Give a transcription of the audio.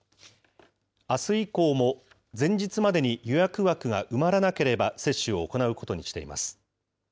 あす以降も前日までに予約枠が埋まらなければ、接種を行うことにしています。